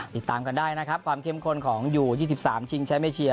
ติดตามกันได้นะครับความเข้มข้นของอยู่๒๓ชิงแชมป์เอเชีย